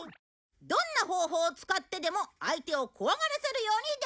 どんな方法を使ってでも相手を怖がらせるようにできてるんだ！